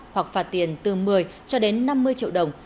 hoặc phạt tiền từ một mươi cho đến năm mươi triệu đồng